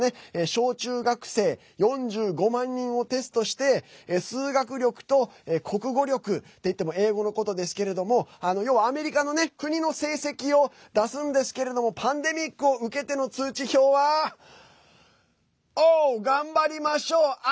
小中学生４５万人をテストして数学力と国語力といっても英語のことですけれども要はアメリカの国の成績を出すんですけれどもパンデミックを受けての通知表はＯｈ「がんばりましょう」。